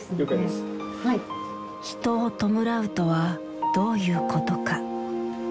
人を弔うとはどういうことか。